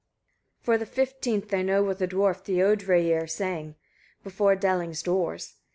162. For the fifteenth I know what the dwarf Thiodreyrir sang before Delling's doors.